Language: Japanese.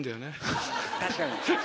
確かに。